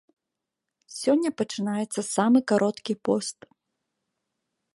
Сёння пачынаецца самы кароткі пост.